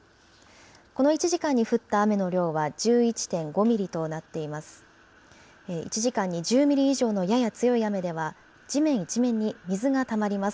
この１時間に降った雨の量は１１．５ミリとなっています。